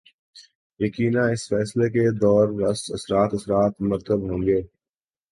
یقینااس فیصلے کے دور رس اثرات اثرات مرتب ہو ں گے۔